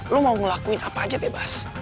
lo mau ngelakuin apa aja bebas